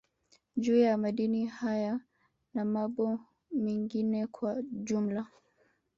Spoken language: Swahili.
Juu ya Madini haya na mabo mengine kwa ujumla